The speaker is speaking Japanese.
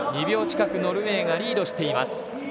２秒近くノルウェーがリードしています。